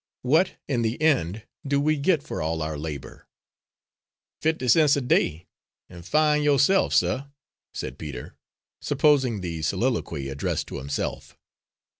What, in the end, do we get for all our labour?" "Fifty cents a day, an' fin' yo'se'f, suh," said Peter, supposing the soliloquy addressed to himself.